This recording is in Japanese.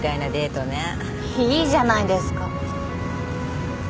いいじゃないですか。